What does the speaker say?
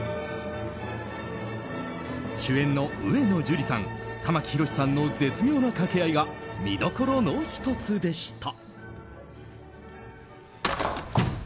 主演の上野樹里さん玉木宏さんの絶妙な掛け合いが見どころの１つでした。